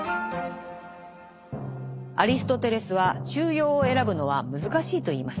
アリストテレスは中庸を選ぶのは難しいと言います。